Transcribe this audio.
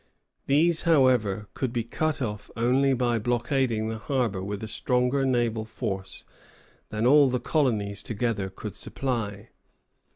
These, however, could be cut off only by blockading the harbor with a stronger naval force than all the colonies together could supply.